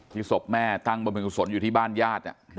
ที่ศพแม่ตั้งบนพึงศนอยู่ที่บ้านญาตินะ